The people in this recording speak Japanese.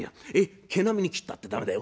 毛並みに斬ったって駄目だよ。